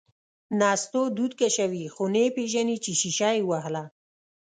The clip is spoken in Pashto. نستوه دود کشوي، خو نه یې پېژني چې شیشه یې ووهله…